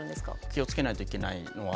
気をつけないといけないのはですね